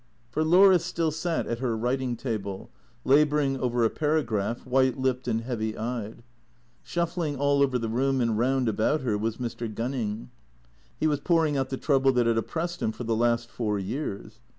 For Laura still sat at her writing table, labouring over a para graph, white lipped and heavy eyed. Shuffling all over the room and round about her was Mr. Gunning. He was pouring out the trouble that had oppressed him for the last four years.